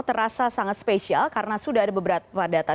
terasa sangat spesial karena sudah ada beberapa data